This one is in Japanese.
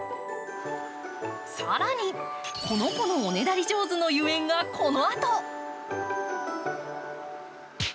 更に、この子のおねだり上手のゆえんがこのあと。